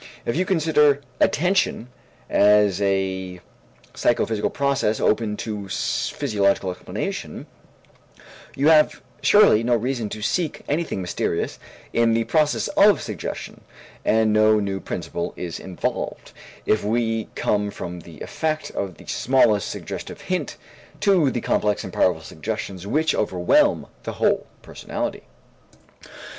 If you consider attention as a psychophysical process open to physiological explanation, you have surely no reason to seek anything mysterious in the process of suggestion; and no new principle is involved, if we come from the effect of the smallest suggestive hint to the complex and powerful suggestions which overwhelm the whole personality.